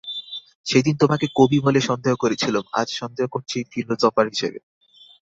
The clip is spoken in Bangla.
সেদিন তোমাকে কবি বলে সন্দেহ করেছিলুম, আজ সন্দেহ করছি ফিলজফার বলে।